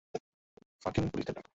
Fucking পুলিশদের ডাকো।